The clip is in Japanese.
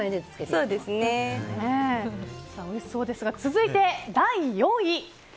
おいしそうですが続いて第４位。